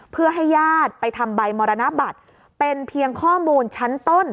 เพื่อให้ญาติไปทำใบมรณบัตรเป็นเพียงข้อมูลชั้นต้น